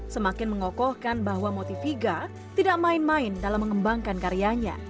semakin mengokohkan bahwa motiviga tidak main main dalam mengembangkan karyanya